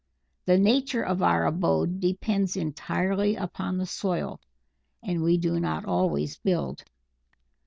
The nature of our abode depends entirely upon the soil, and we do not always build.